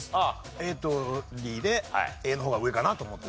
ＡとＤでＡの方が上かなと思って。